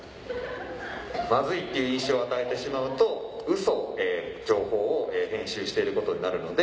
マズいっていう印象を与えてしまうと嘘情報を編集していることになるので。